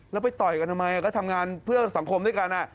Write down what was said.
แล้วไปต่อยกันทำไมก็ทำงานเพื่อสังคมด้วยกัน